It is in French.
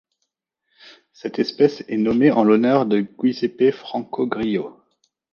Cette espèce est nommée en l'honneur de Giuseppe Franco Grillo.